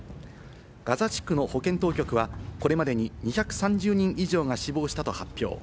ガザ地区の保健当局はこれまでに２３０人以上が死亡したと発表。